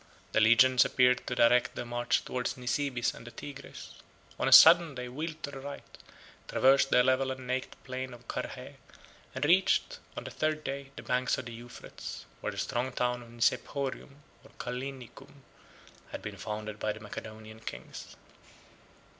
The legions appeared to direct their march towards Nisibis and the Tigris. On a sudden they wheeled to the right; traversed the level and naked plain of Carrhæ; and reached, on the third day, the banks of the Euphrates, where the strong town of Nicephorium, or Callinicum, had been founded by the Macedonian kings.